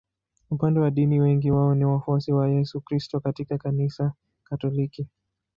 Upande wa dini wengi wao ni wafuasi wa Yesu Kristo katika Kanisa Katoliki.